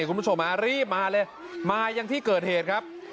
คุณผู้ชมรีบมาเลยมายังที่เกิดเหตุครับ